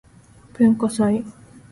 文化祭